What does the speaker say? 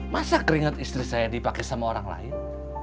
masa keringet istri saya dipake sama orang lain